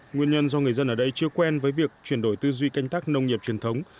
nguyên nhân do người dân ở đây chưa quen với việc chuyển đổi tư duy canh tác nông nghiệp truyền thống